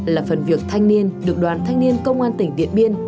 là phần việc thanh niên được đoàn thanh niên công an tỉnh điện biên